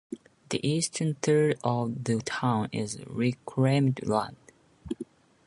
The eastern third of the town is reclaimed land.